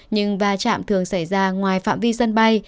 nhưng va chạm thường xảy ra ngoài phạm vi sân bay